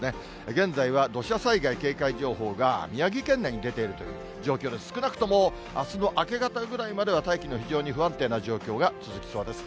現在は土砂災害警戒情報が宮城県内に出ているという状況で、少なくともあすの明け方ぐらいまでは、大気の非常に不安定な状況が続きそうです。